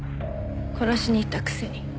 殺しに行ったくせに。